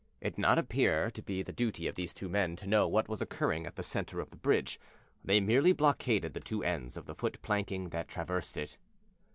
It did not appear to be the duty of these two men to know what was occurring at the centre of the bridge; they merely blockaded the two ends of the foot planking that traversed it.